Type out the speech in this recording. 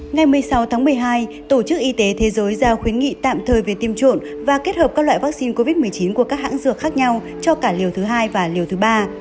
ngày một mươi sáu tháng một mươi hai tổ chức y tế thế giới giao khuyến nghị tạm thời về tiêm trộm và kết hợp các loại vaccine covid một mươi chín của các hãng dược khác nhau cho cả liều thứ hai và liều thứ ba